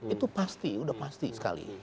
itu pasti sudah pasti sekali